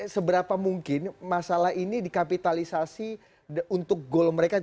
seberapa mungkin masalah ini dikapitalisasi untuk goal mereka